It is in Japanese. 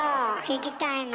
いきたいの。